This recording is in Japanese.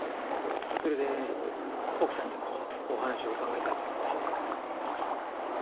それで奥さんにもお話を伺いたいと思いまして。